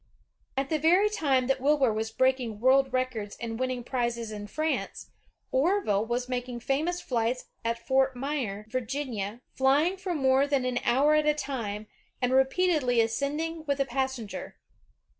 At the very time that Wilbur was breaking world records and winning prizes in France, Orville was making famous flights at Fort Myer, Virginia, flying for more than an hour at a time, and repeatedly ascending with a pas senger.